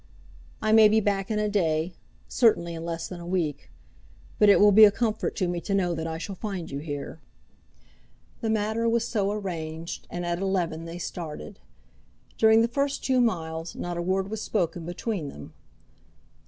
I may be back in a day; certainly in less than a week; but it will be a comfort to me to know that I shall find you here." The matter was so arranged, and at eleven they started. During the first two miles not a word was spoken between them.